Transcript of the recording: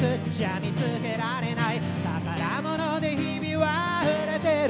「見つけられない」「宝物で日々は溢れてる」